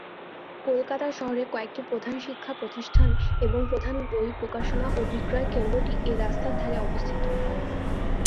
কলকাতা শহরের কয়েকটি প্রধান শিক্ষা প্রতিষ্ঠান এবং প্রধান বই প্রকাশনা ও বিক্রয় কেন্দ্রটি এই রাস্তার ধারে অবস্থিত।